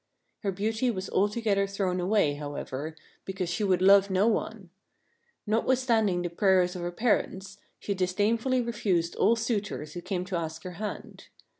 Her beauty was altogether thrown away, however, because she would love no one. Notwithstanding the prayers of her parents, she disdainfully refused all suitors who came to ask her hand.